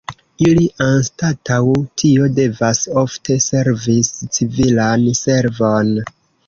Ili anstataŭ tio devas ofte servi civilan servon.